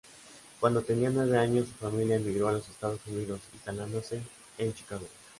Cuando tenía nueve años, su familia emigró a los Estados Unidos, instalándose en Chicago.